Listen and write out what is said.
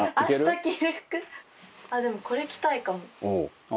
あっでもこれ着たいかも。